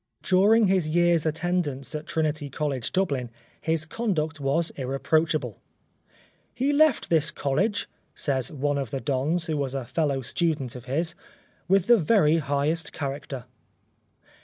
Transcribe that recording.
During his year's attendance at Trinity College, Dublin, his conduct was irreproachable. " He left this College," says one of the Dons who was a fellow student of his, " with the very highest character."